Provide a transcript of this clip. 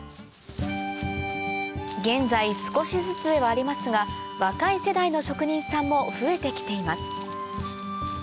現在少しずつではありますが若い世代の職人さんも増えてきています